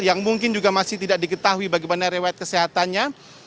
yang mungkin juga masih tidak diketahui bagaimana rewet kesehatannya